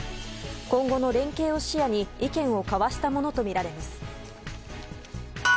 今後の連携を視野に意見を交わしたものとみられます。